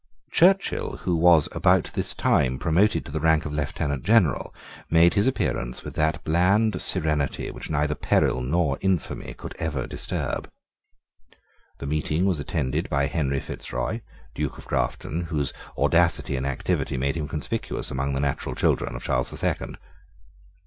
Churchill, who was about this time promoted to the rank of Lieutenant General, made his appearance with that bland serenity which neither peril nor infamy could ever disturb. The meeting was attended by Henry Fitzroy, Duke of Grafton, whose audacity and activity made him conspicuous among the natural children of Charles the Second.